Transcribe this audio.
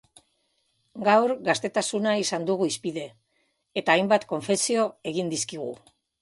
Gaur, gaztetasuna izan dugu hizpide, eta hainbat konfesio egin dizkigu.